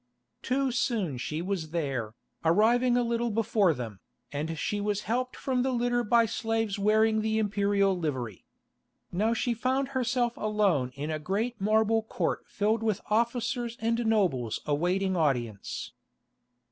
Too soon she was there, arriving a little before them, and was helped from the litter by slaves wearing the Imperial livery. Now she found herself alone in a great marble court filled with officers and nobles awaiting audience.